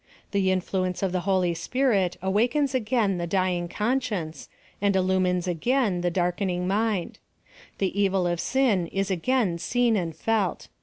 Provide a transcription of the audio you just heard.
The influence of the Holy Spirit awakens again the dying conscience, and illumines again the darkening mind. The evil of sin is again seen and felt.